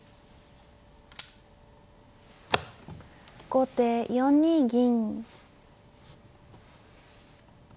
後手４二銀。